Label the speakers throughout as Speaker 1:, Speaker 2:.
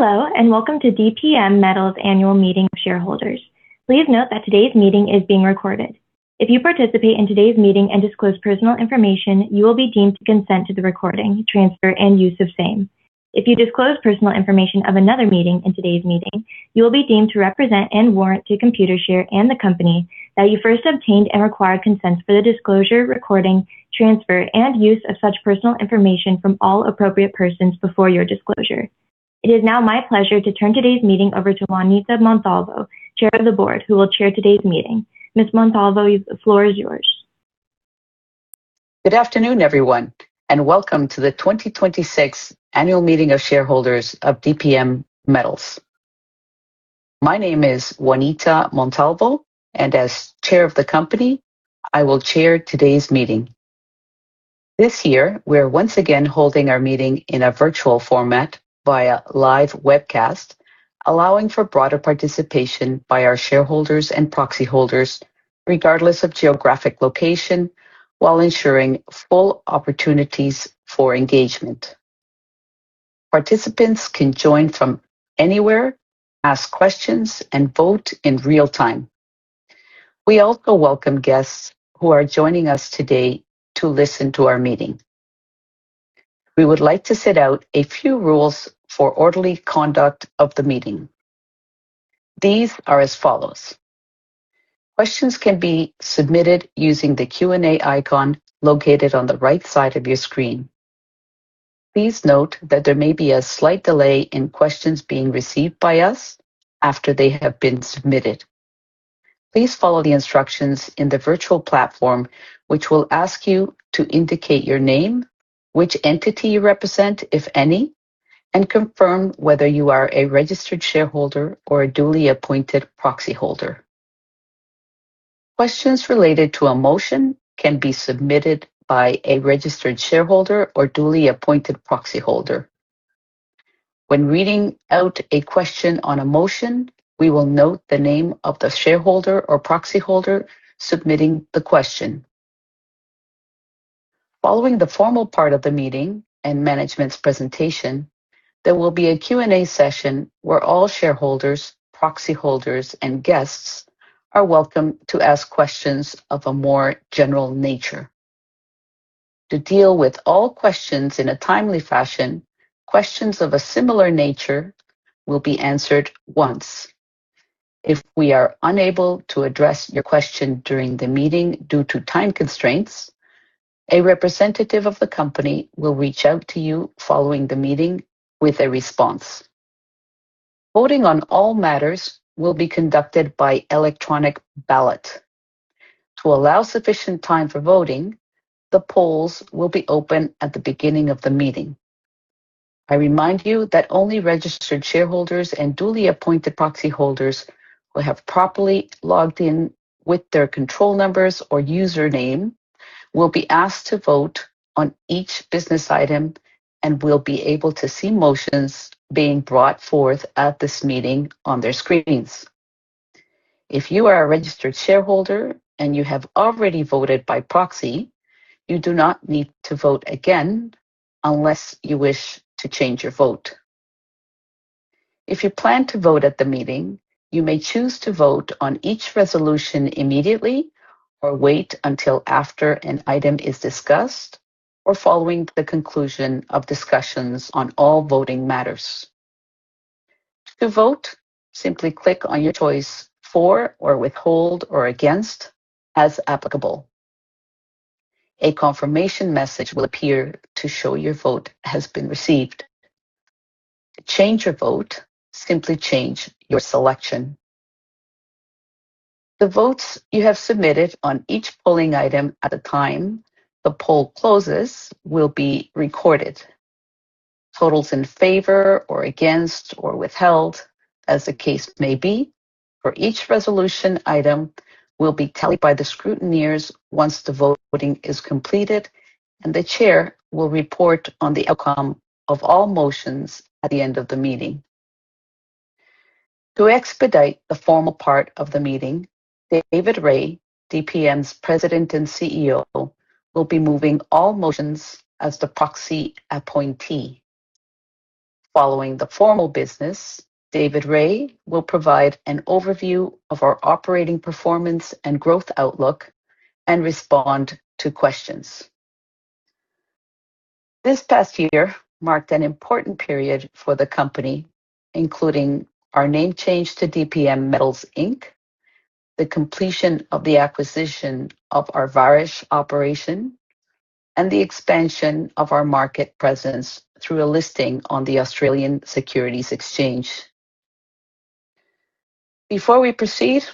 Speaker 1: Hello, welcome to DPM Metals Annual Meeting of Shareholders. Please note that today's meeting is being recorded. If you participate in today's meeting and disclose personal information, you will be deemed to consent to the recording, transfer, and use of same. If you disclose personal information of another person in today's meeting, you will be deemed to represent and warrant to Computershare and the company that you first obtained and required consent for the disclosure, recording, transfer, and use of such personal information from all appropriate persons before your disclosure. It is now my pleasure to turn today's meeting over to Juanita Montalvo, Chair of the Board, who will chair today's meeting. Ms. Montalvo, the floor is yours.
Speaker 2: Good afternoon, everyone. Welcome to the 2026 Annual Meeting of Shareholders of DPM Metals. My name is Juanita Montalvo, and as Chair of the Company, I will chair today's meeting. This year, we are once again holding our meeting in a virtual format via live webcast, allowing for broader participation by our shareholders and proxyholders regardless of geographic location while ensuring full opportunities for engagement. Participants can join from anywhere, ask questions, and vote in real time. We also welcome guests who are joining us today to listen to our meeting. We would like to set out a few rules for orderly conduct of the meeting. These are as follows. Questions can be submitted using the Q&A icon located on the right side of your screen. Please note that there may be a slight delay in questions being received by us after they have been submitted. Please follow the instructions in the virtual platform, which will ask you to indicate your name, which entity you represent, if any, and confirm whether you are a registered shareholder or a duly appointed proxyholder. Questions related to a motion can be submitted by a registered shareholder or duly appointed proxyholder. When reading out a question on a motion, we will note the name of the shareholder or proxyholder submitting the question. Following the formal part of the meeting and management's presentation, there will be a Q&A session where all shareholders, proxyholders, and guests are welcome to ask questions of a more general nature. To deal with all questions in a timely fashion, questions of a similar nature will be answered once. If we are unable to address your question during the meeting due to time constraints, a representative of the company will reach out to you following the meeting with a response. Voting on all matters will be conducted by electronic ballot. To allow sufficient time for voting, the polls will be open at the beginning of the meeting. I remind you that only registered shareholders and duly appointed proxyholders who have properly logged in with their control numbers or username will be asked to vote on each business item and will be able to see motions being brought forth at this meeting on their screens. If you are a registered shareholder and you have already voted by proxy, you do not need to vote again unless you wish to change your vote. If you plan to vote at the meeting, you may choose to vote on each resolution immediately or wait until after an item is discussed or following the conclusion of discussions on all voting matters. To vote, simply click on your choice for or withhold or against as applicable. A confirmation message will appear to show your vote has been received. To change your vote, simply change your selection. The votes you have submitted on each polling item at the time the poll closes will be recorded. Totals in favor or against or withheld, as the case may be, for each resolution item will be tallied by the scrutineers once the voting is completed, and the chair will report on the outcome of all motions at the end of the meeting. To expedite the formal part of the meeting, David Rae, DPM's President and Chief Executive Officer, will be moving all motions as the proxy appointee. Following the formal business, David Rae will provide an overview of our operating performance and growth outlook and respond to questions. This past year marked an important period for the company, including our name change to DPM Metals Inc., the completion of the acquisition of our Vares operation, and the expansion of our market presence through a listing on the Australian Securities Exchange. Before we proceed,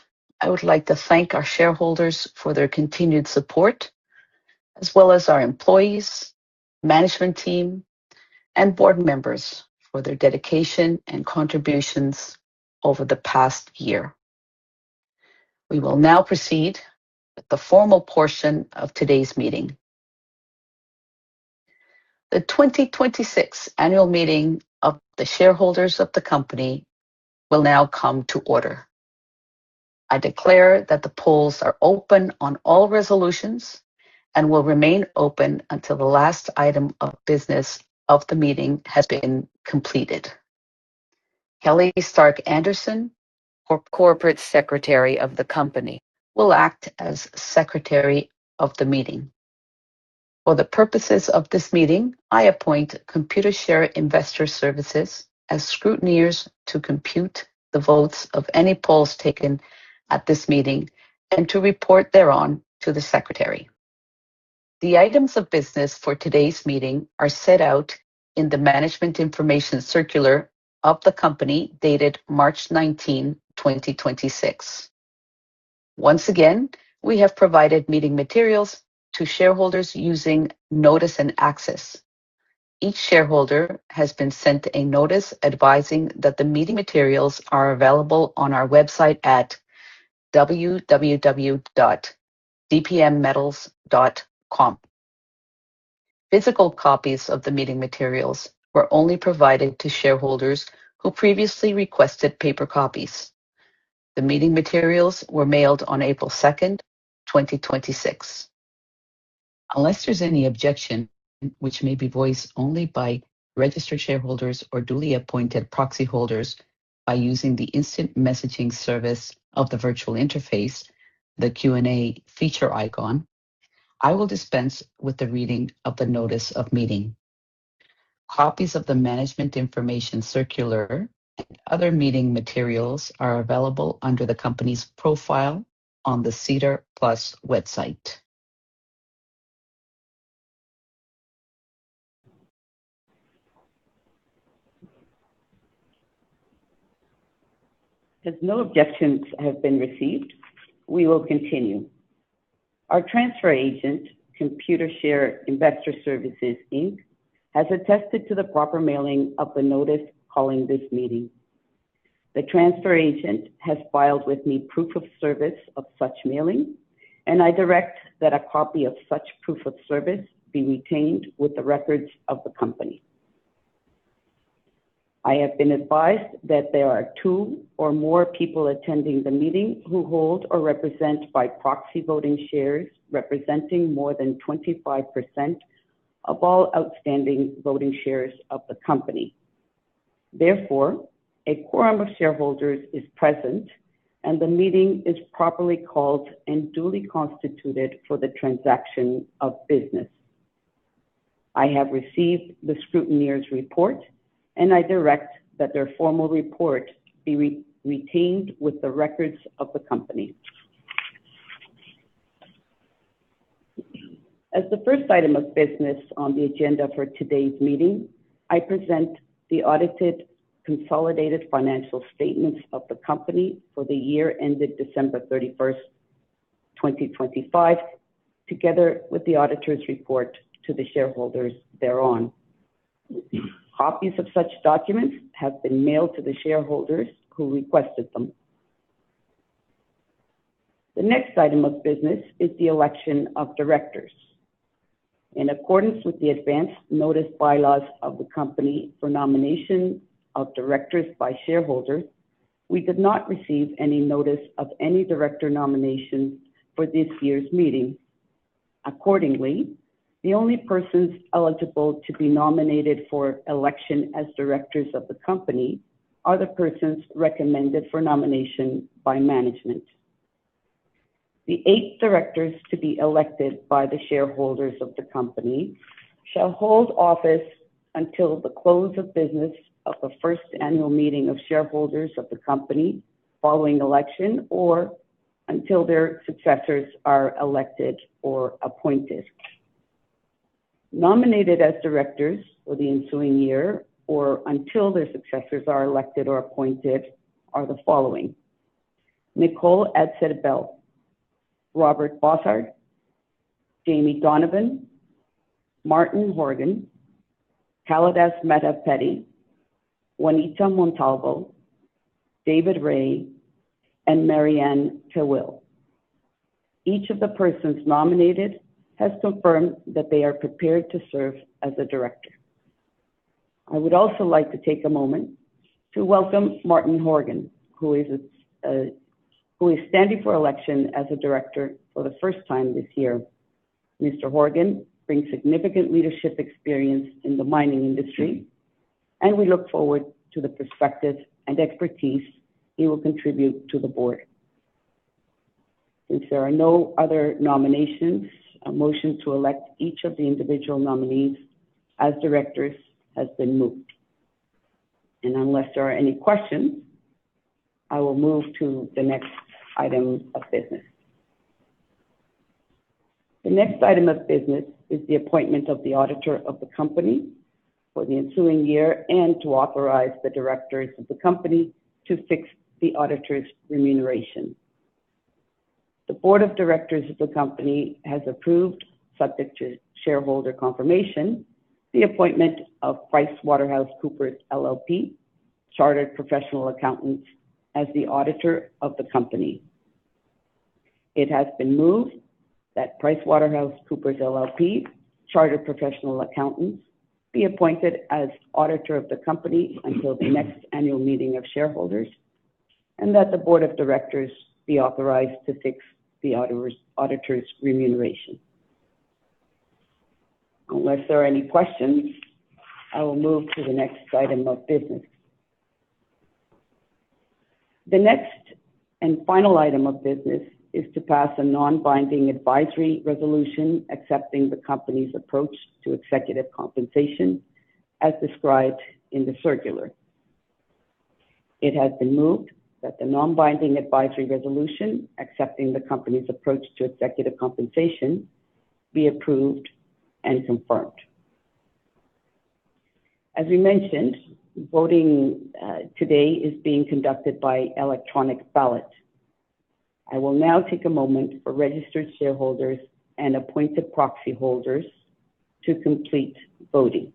Speaker 2: I would like to thank our shareholders for their continued support, as well as our employees, management team, and board members for their dedication and contributions over the past year. We will now proceed with the formal portion of today's meeting. The 2026 Annual Meeting of the Shareholders of the company will now come to order. I declare that the polls are open on all resolutions and will remain open until the last item of business of the meeting has been completed. Kelly Stark-Anderson, Corporate Secretary of the company, will act as Secretary of the meeting. For the purposes of this meeting, I appoint Computershare Investor Services as scrutineers to compute the votes of any polls taken at this meeting and to report thereon to the Secretary. The items of business for today's meeting are set out in the management information circular of the company dated March 19th, 2026. Once again, we have provided meeting materials to shareholders using notice and access. Each shareholder has been sent a notice advising that the meeting materials are available on our website at www.dpmmetals.com. Physical copies of the meeting materials were only provided to shareholders who previously requested paper copies. The meeting materials were mailed on April 2nd, 2026. Unless there's any objection, which may be voiced only by registered shareholders or duly appointed proxyholders by using the instant messaging service of the virtual interface, the Q&A feature icon, I will dispense with the reading of the notice of meeting. Copies of the management information circular and other meeting materials are available under the company's profile on the SEDAR+ website. As no objections have been received, we will continue. Our transfer agent, Computershare Investor Services, Inc., has attested to the proper mailing of the notice calling this meeting. The transfer agent has filed with me proof of service of such mailing, and I direct that a copy of such proof of service be retained with the records of the company. I have been advised that there are two or more people attending the meeting who hold or represent by proxy voting shares representing more than 25% of all outstanding voting shares of the company. A quorum of shareholders is present, and the meeting is properly called and duly constituted for the transaction of business. I have received the scrutineer's report, and I direct that their formal report be retained with the records of the company. As the first item of business on the agenda for today's meeting, I present the audited consolidated financial statements of the company for the year ended December 31st, 2025, together with the auditor's report to the shareholders thereon. Copies of such documents have been mailed to the shareholders who requested them. The next item of business is the election of directors. In accordance with the advanced notice bylaws of the company for nomination of directors by shareholders, we did not receive any notice of any director nominations for this year's meeting. The only persons eligible to be nominated for election as directors of the company are the persons recommended for nomination by management. The eight directors to be elected by the shareholders of the company shall hold office until the close of business of the first annual meeting of shareholders of the company following election or until their successors are elected or appointed. Nominated as directors for the ensuing year or until their successors are elected or appointed are the following: Nicole Adshead-Bell, Robert Bosshard, Jaimie Donovan, Martin Horgan, Kalidas Madhavpeddi, Juanita Montalvo, David Rae, and Marie-Anne Tawil. Each of the persons nominated has confirmed that they are prepared to serve as a director. I would also like to take a moment to welcome Martin Horgan, who is standing for election as a director for the first time this year. Mr. Horgan brings significant leadership experience in the mining industry, and we look forward to the perspective and expertise he will contribute to the board. Since there are no other nominations, a motion to elect each of the individual nominees as directors has been moved. Unless there are any questions, I will move to the next item of business. The next item of business is the appointment of the auditor of the company for the ensuing year and to authorize the directors of the company to fix the auditor's remuneration. The Board of Directors of the company has approved, subject to shareholder confirmation, the appointment of PricewaterhouseCoopers LLP Chartered Professional Accountants as the auditor of the company. It has been moved that PricewaterhouseCoopers LLP, Chartered Professional Accountants, be appointed as auditor of the company until the next annual meeting of shareholders, and that the Board of Directors be authorized to fix the auditor's remuneration. Unless there are any questions, I will move to the next item of business. The next and final item of business is to pass a non-binding advisory resolution accepting the company's approach to executive compensation as described in the circular. It has been moved that the non-binding advisory resolution accepting the company's approach to executive compensation be approved and confirmed. As we mentioned, voting today is being conducted by electronic ballot. I will now take a moment for registered shareholders and appointed proxyholders to complete voting.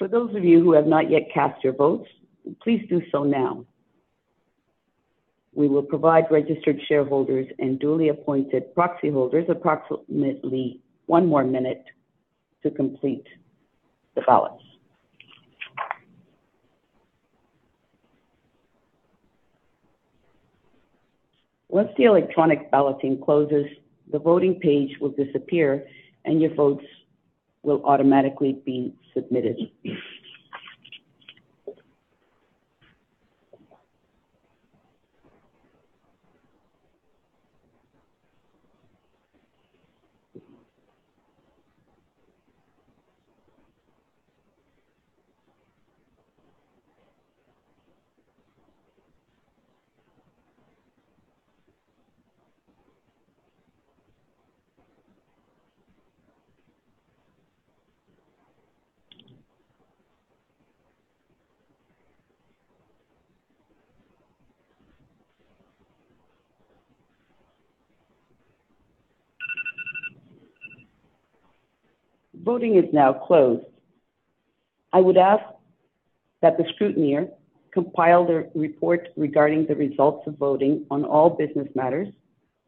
Speaker 2: For those of you who have not yet cast your votes, please do so now. We will provide registered shareholders and duly appointed proxyholders approximately one more minute to complete the ballots. Once the electronic balloting closes, the voting page will disappear, and your votes will automatically be submitted. Voting is now closed. I would ask that the scrutineer compile their report regarding the results of voting on all business matters.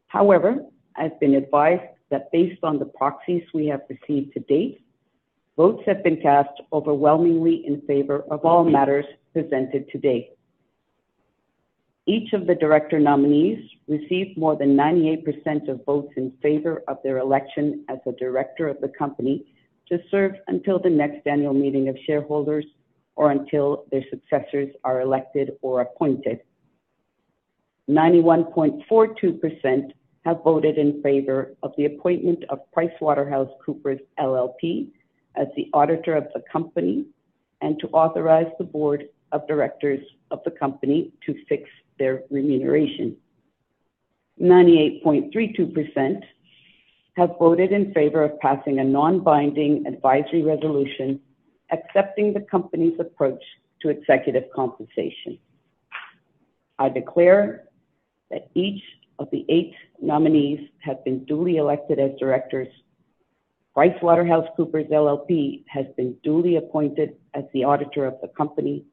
Speaker 2: However, I've been advised that based on the proxies we have received to date, votes have been cast overwhelmingly in favor of all matters presented today. Each of the director nominees received more than 98% of votes in favor of their election as a director of the company to serve until the next annual meeting of shareholders or until their successors are elected or appointed. 91.42% have voted in favor of the appointment of PricewaterhouseCoopers LLP as the auditor of the company and to authorize the board of directors of the company to fix their remuneration. 98.32% have voted in favor of passing a non-binding advisory resolution accepting the company's approach to executive compensation. I declare that each of the eight nominees have been duly elected as directors. PricewaterhouseCoopers LLP has been duly appointed as the auditor of the company,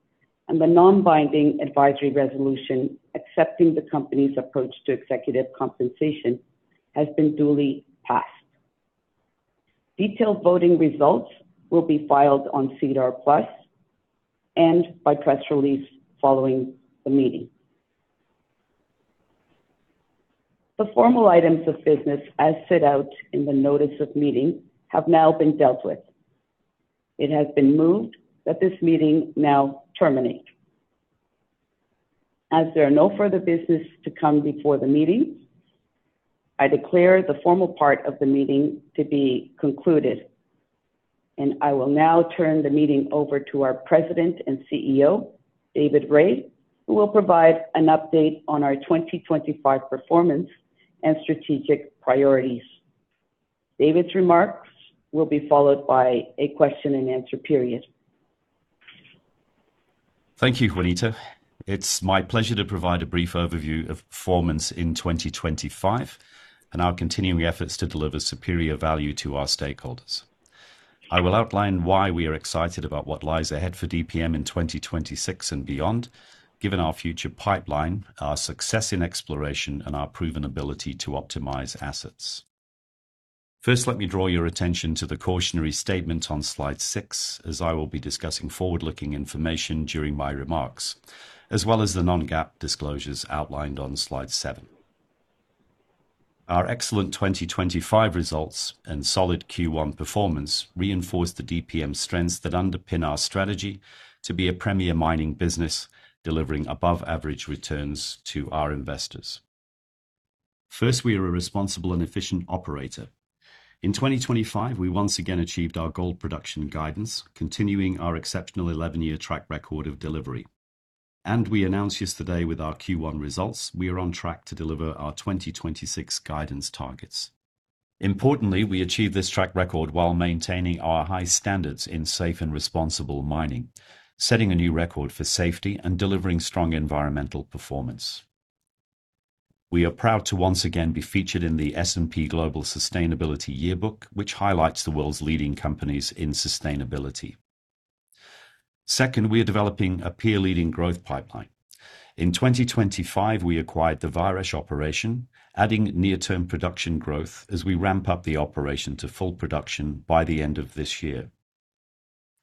Speaker 2: and the non-binding advisory resolution accepting the company's approach to executive compensation has been duly passed. Detailed voting results will be filed on SEDAR+ and by press release following the meeting. The formal items of business as set out in the notice of meeting have now been dealt with. It has been moved that this meeting now terminate. As there are no further business to come before the meeting, I declare the formal part of the meeting to be concluded. I will now turn the meeting over to our President and CEO, David Rae, who will provide an update on our 2025 performance and strategic priorities. David's remarks will be followed by a question-and-answer period.
Speaker 3: Thank you, Juanita. It's my pleasure to provide a brief overview of performance in 2025 and our continuing efforts to deliver superior value to our stakeholders. I will outline why we are excited about what lies ahead for DPM in 2026 and beyond, given our future pipeline, our success in exploration, and our proven ability to optimize assets. First, let me draw your attention to the cautionary statement on slide six, as I will be discussing forward-looking information during my remarks, as well as the non-GAAP disclosures outlined on slide seven. Our excellent 2025 results and solid Q1 performance reinforce the DPM strengths that underpin our strategy to be a premier mining business delivering above average returns to our investors. First, we are a responsible and efficient operator. In 2025, we once again achieved our gold production guidance, continuing our exceptional 11-year track record of delivery. We announced yesterday with our Q1 results, we are on track to deliver our 2026 guidance targets. Importantly, we achieved this track record while maintaining our high standards in safe and responsible mining, setting a new record for safety and delivering strong environmental performance. We are proud to once again be featured in the S&P Global Sustainability Yearbook, which highlights the world's leading companies in sustainability. Second, we are developing a peer-leading growth pipeline. In 2025, we acquired the Vares operation, adding near-term production growth as we ramp up the operation to full production by the end of this year.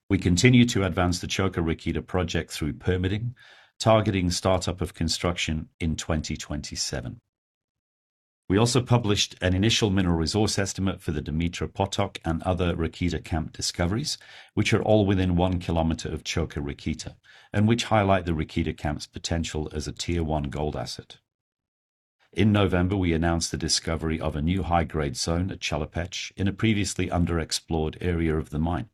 Speaker 3: We continue to advance the Čoka Rakita project through permitting, targeting startup of construction in 2027. We also published an initial mineral resource estimate for the Dumitru Potok and other Rakita camp discoveries, which are all within 1 km of Čoka Rakita and which highlight the Rakita camp's potential as a Tier 1 gold asset. In November, we announced the discovery of a new high-grade zone at Chelopech in a previously underexplored area of the mine,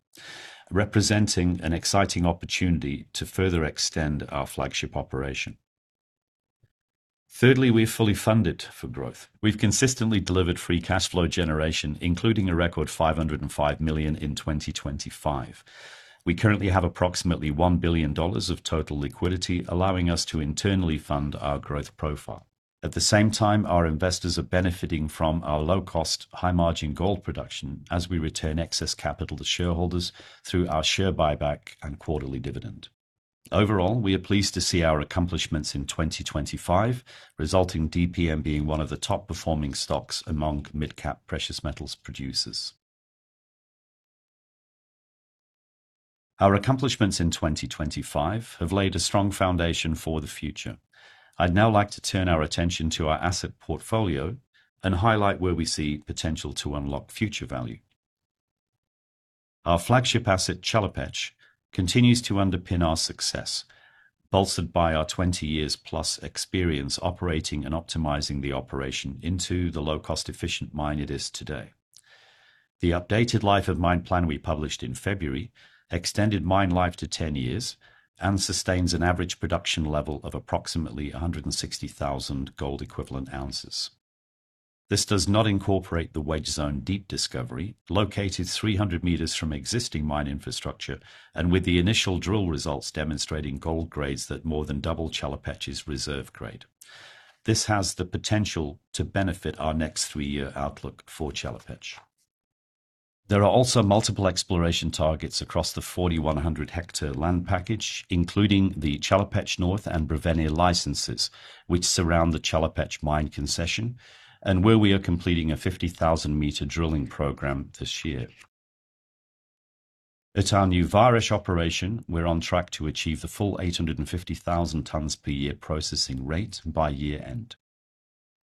Speaker 3: representing an exciting opportunity to further extend our flagship operation. Thirdly, we're fully funded for growth. We've consistently delivered free cash flow generation, including a record $505 million in 2025. We currently have approximately $1 billion of total liquidity, allowing us to internally fund our growth profile. At the same time, our investors are benefiting from our low cost, high margin gold production as we return excess capital to shareholders through our share buyback and quarterly dividend. Overall, we are pleased to see our accomplishments in 2025 resulting DPM being one of the top performing stocks among midcap precious metals producers. Our accomplishments in 2025 have laid a strong foundation for the future. I'd now like to turn our attention to our asset portfolio and highlight where we see potential to unlock future value. Our flagship asset, Chelopech, continues to underpin our success, bolstered by our 20+ years experience operating and optimizing the operation into the low cost efficient mine it is today. The updated life of mine plan we published in February extended mine life to 10 years and sustains an average production level of approximately 160,000 gold equivalent ounces. This does not incorporate the Wedge Zone Deep discovery located 300 m from existing mine infrastructure and with the initial drill results demonstrating gold grades that more than double Chelopech's reserve grade. This has the potential to benefit our next three-year outlook for Chelopech. There are also multiple exploration targets across the 4,100 hectare land package, including the Chelopech North and Brevene licenses, which surround the Chelopech mine concession and where we are completing a 50,000 m drilling program this year. At our new Vares operation, we're on track to achieve the full 850,000 tons per year processing rate by year end.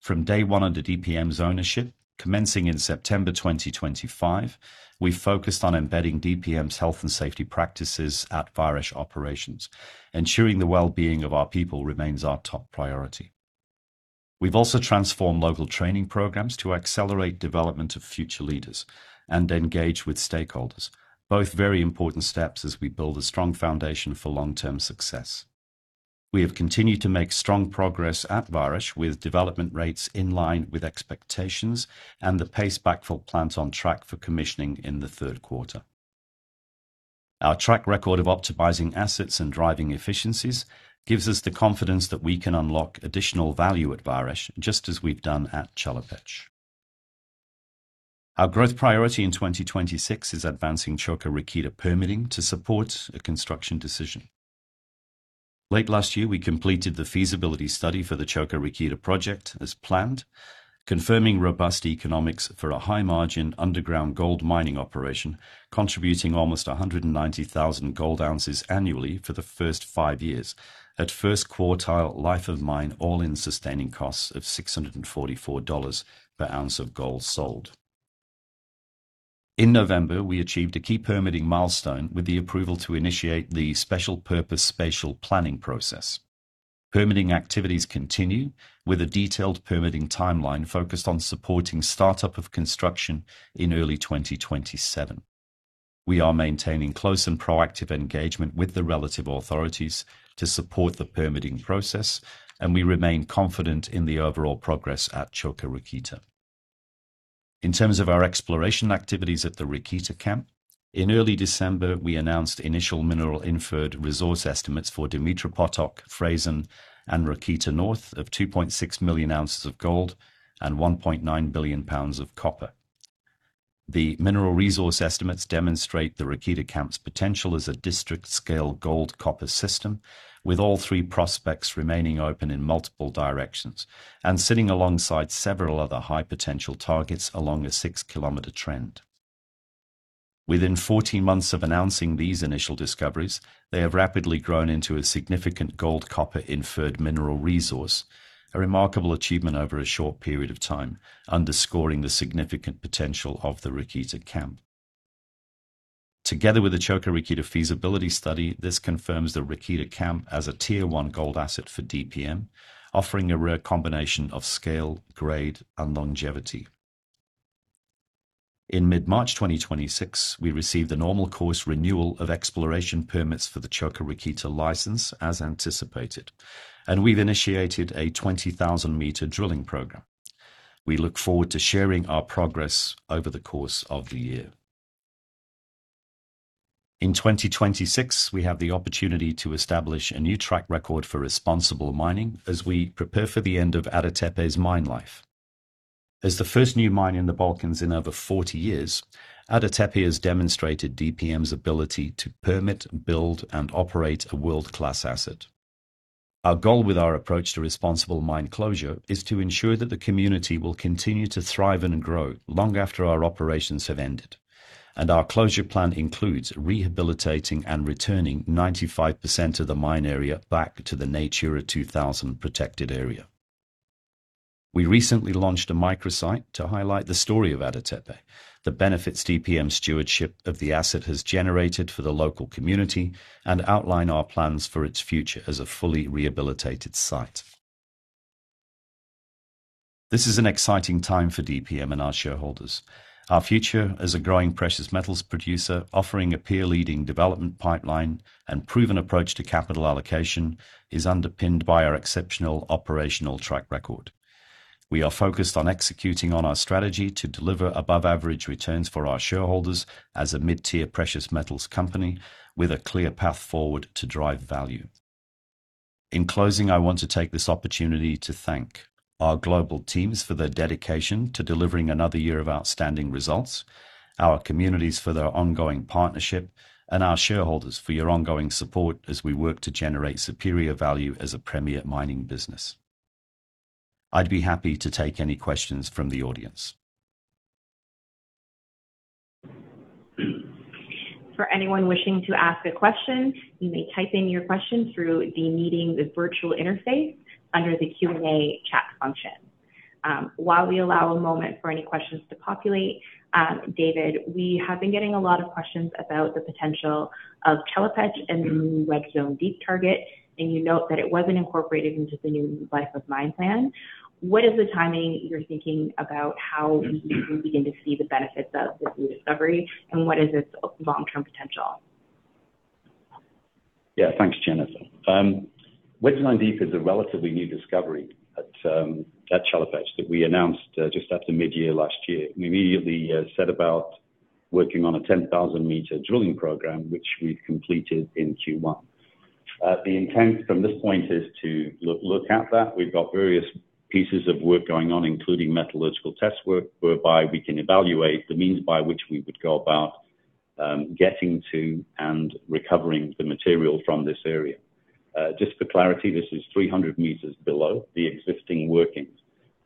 Speaker 3: From day one under DPM's ownership, commencing in September 2025, we focused on embedding DPM's health and safety practices at Vares operations. Ensuring the well-being of our people remains our top priority. We've also transformed local training programs to accelerate development of future leaders and engage with stakeholders, both very important steps as we build a strong foundation for long-term success. We have continued to make strong progress at Vares with development rates in line with expectations and the paste backfill plant on track for commissioning in the third quarter. Our track record of optimizing assets and driving efficiencies gives us the confidence that we can unlock additional value at Vares, just as we've done at Chelopech. Our growth priority in 2026 is advancing Čoka Rakita permitting to support a construction decision. Late last year, we completed the feasibility study for the Čoka Rakita project as planned, confirming robust economics for a high margin underground gold mining operation, contributing almost 190,000 gold ounces annually for the first five years. At first quartile life of mine, all-in sustaining costs of $644 per ounce of gold sold. In November, we achieved a key permitting milestone with the approval to initiate the special purpose spatial planning process. Permitting activities continue with a detailed permitting timeline focused on supporting startup of construction in early 2027. We are maintaining close and proactive engagement with the relative authorities to support the permitting process, and we remain confident in the overall progress at Čoka Rakita. In terms of our exploration activities at the Rakita camp, in early December, we announced initial mineral inferred resource estimates for Dumitru Potok, Frasen, and Rakita North of 2.6 million ounces of gold and 1.9 billion pounds of copper. The mineral resource estimates demonstrate the Rakita camp's potential as a district-scale gold-copper system, with all three prospects remaining open in multiple directions and sitting alongside several other high-potential targets along a 6 km trend. Within 14 months of announcing these initial discoveries, they have rapidly grown into a significant gold-copper inferred mineral resource, a remarkable achievement over a short period of time, underscoring the significant potential of the Rakita camp. Together with the Čoka Rakita feasibility study, this confirms the Rakita camp as a tier-one gold asset for DPM, offering a rare combination of scale, grade, and longevity. In mid-March 2026, we received a normal course renewal of exploration permits for the Čoka Rakita license as anticipated. We've initiated a 20,000 m drilling program. We look forward to sharing our progress over the course of the year. In 2026, we have the opportunity to establish a new track record for responsible mining as we prepare for the end of Ada Tepe's mine life. As the first new mine in the Balkans in over 40 years, Ada Tepe has demonstrated DPM's ability to permit, build, and operate a world-class asset. Our goal with our approach to responsible mine closure is to ensure that the community will continue to thrive and grow long after our operations have ended. Our closure plan includes rehabilitating and returning 95% of the mine area back to the Natura 2000 protected area. We recently launched a microsite to highlight the story of Ada Tepe, the benefits DPM stewardship of the asset has generated for the local community, and outline our plans for its future as a fully rehabilitated site. This is an exciting time for DPM and our shareholders. Our future as a growing precious metals producer, offering a peer-leading development pipeline and proven approach to capital allocation, is underpinned by our exceptional operational track record. We are focused on executing on our strategy to deliver above-average returns for our shareholders as a mid-tier precious metals company with a clear path forward to drive value. In closing, I want to take this opportunity to thank our global teams for their dedication to delivering another year of outstanding results, our communities for their ongoing partnership, and our shareholders for your ongoing support as we work to generate superior value as a premier mining business. I'd be happy to take any questions from the audience.
Speaker 4: For anyone wishing to ask a question, you may type in your question through the meeting's virtual interface under the Q&A chat function. While we allow a moment for any questions to populate, David, we have been getting a lot of questions about the potential of Chelopech and the new Wedge Zone Deep target, and you note that it wasn't incorporated into the new life of mine plan. What is the timing you're thinking about how we begin to see the benefits of this new discovery, and what is its long-term potential?
Speaker 3: Yeah. Thanks, Jennifer. Wedge Zone Deep is a relatively new discovery at Chelopech that we announced just after mid-year last year. We immediately set about working on a 10,000 m drilling program, which we've completed in Q1. The intent from this point is to look at that. We've got various pieces of work going on, including metallurgical test work, whereby we can evaluate the means by which we would go about getting to and recovering the material from this area. Just for clarity, this is 300 m below the existing workings.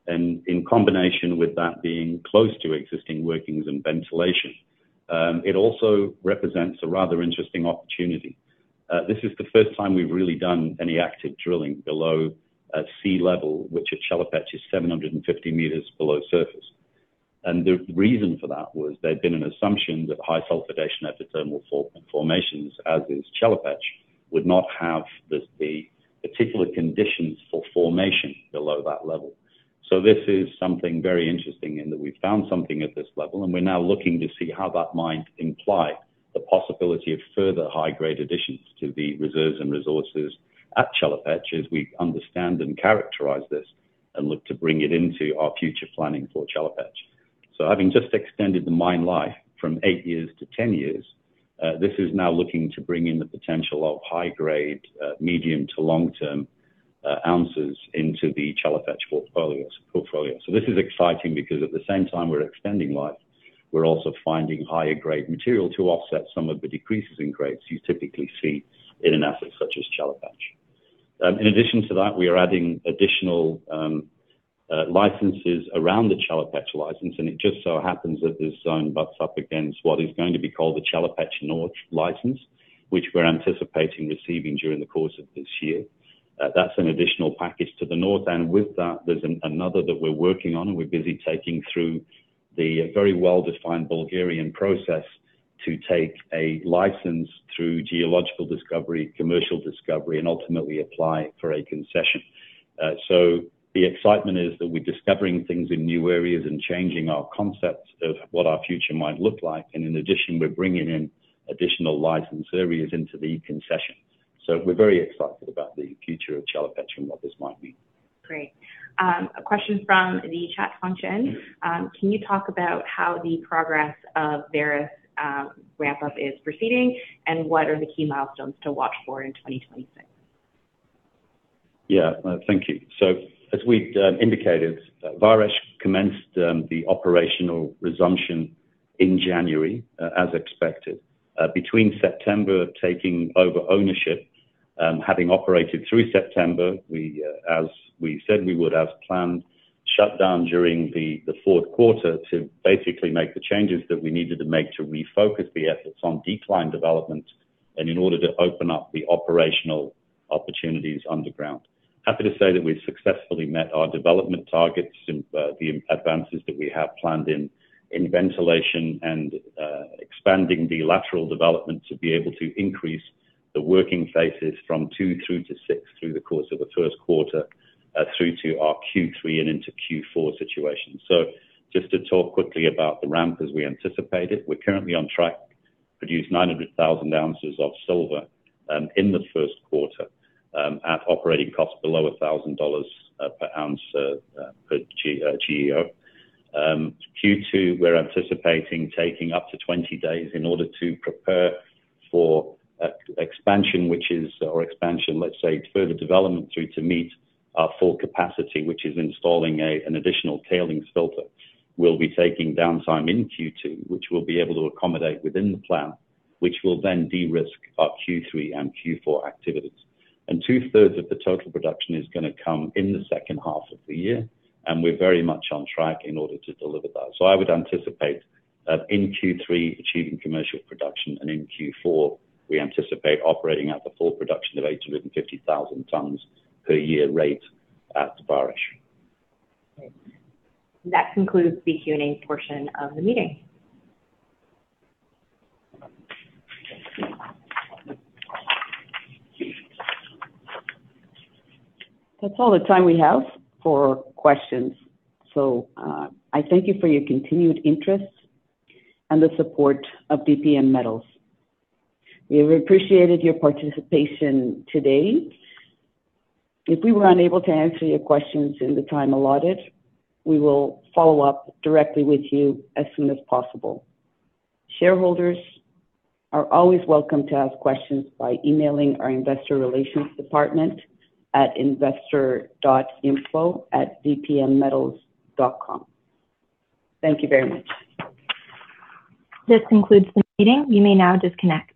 Speaker 3: In combination with that being close to existing workings and ventilation, it also represents a rather interesting opportunity. This is the first time we've really done any active drilling below at sea level, which at Chelopech is 750 m below surface. The reason for that was there'd been an assumption that high sulfidation epithermal formations, as is Chelopech, would not have the particular conditions for formation below that level. This is something very interesting in that we found something at this level, and we're now looking to see how that might imply the possibility of further high-grade additions to the reserves and resources at Chelopech as we understand and characterize this and look to bring it into our future planning for Chelopech. Having just extended the mine life from eight years to 10 years, this is now looking to bring in the potential of high-grade, medium to long-term ounces into the Chelopech portfolio. This is exciting because at the same time we're extending life, we're also finding higher grade material to offset some of the decreases in grades you typically see in an asset such as Chelopech. In addition to that, we are adding additional licenses around the Chelopech license, and it just so happens that this zone butts up against what is going to be called the Chelopech North license, which we're anticipating receiving during the course of this year. That's an additional package to the north. With that, there's another that we're working on and we're busy taking through the very well-defined Bulgarian process to take a license through geological discovery, commercial discovery, and ultimately apply for a concession. The excitement is that we're discovering things in new areas and changing our concepts of what our future might look like. In addition, we're bringing in additional license areas into the concession. We're very excited about the future of Chelopech and what this might mean.
Speaker 4: Great. A question from the chat function. Can you talk about how the progress of Vares ramp up is proceeding, and what are the key milestones to watch for in 2026?
Speaker 3: Thank you. As we'd indicated, Vares commenced the operational resumption in January, as expected. Between September taking over ownership, having operated through September, we, as we said we would as planned, shut down during the fourth quarter to basically make the changes that we needed to make to refocus the efforts on decline development and in order to open up the operational opportunities underground. Happy to say that we've successfully met our development targets in the advances that we have planned in ventilation and expanding the lateral development to be able to increase the working faces from 2 through to 6 through the course of the first quarter, through to our Q3 and into Q4 situation. Just to talk quickly about the ramp as we anticipate it, we're currently on track to produce 900,000 ounces of silver in the first quarter at operating cost below $1,000 per ounce per GEO. Q2, we're anticipating taking up to 20 days in order to prepare for expansion, which is further development through to meet our full capacity, which is installing an additional tailings filter. We'll be taking downtime in Q2, which we'll be able to accommodate within the plan, which will then de-risk our Q3 and Q4 activities. Two-thirds of the total production is going to come in the second half of the year, and we're very much on track in order to deliver that. I would anticipate that in Q3, achieving commercial production, and in Q4, we anticipate operating at the full production of 850,000 tons per year rate at Vares.
Speaker 4: Great. That concludes the Q&A portion of the meeting.
Speaker 2: That's all the time we have for questions. I thank you for your continued interest and the support of DPM Metals. We've appreciated your participation today. If we were unable to answer your questions in the time allotted, we will follow up directly with you as soon as possible. Shareholders are always welcome to ask questions by emailing our investor relations department at investor.info@dpmmetals.com. Thank you very much.
Speaker 1: This concludes the meeting. You may now disconnect.